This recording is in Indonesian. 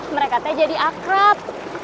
mereka t jadi akrab